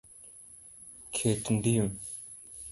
Ket dim